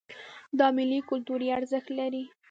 دا میلې کلتوري ارزښت لري.